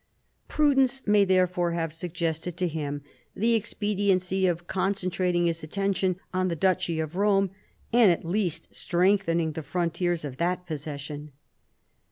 Prudence mav therefore have suggested to him the expediency of concentrating his attention on the duchy of Rome, and at least strengthening the frontiers of that possession.